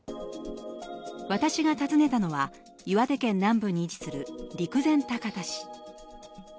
私が訪ねたのは岩手県南部に位置する陸前高田市。